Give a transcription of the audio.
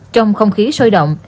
trong không khí sôi động